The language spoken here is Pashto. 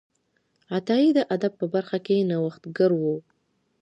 عطایي د ادب په برخه کې نوښتګر و.